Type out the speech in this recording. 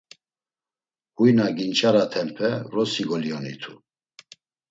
Huy na ginç̌aratenpe vrosi goliyonitu.